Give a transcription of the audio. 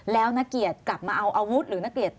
แล้วนักเกียรติกลับมาเอาอาวุธหรือนักเกียรติ